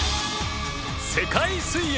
世界水泳！